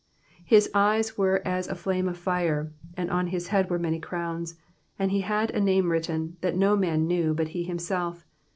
His eyes were as a flame of fire, and on his head were many crowns ; and he had a name written, that no man knew, but he himself.